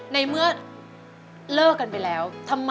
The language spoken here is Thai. ในเมื่อเลิกกันไปแล้ว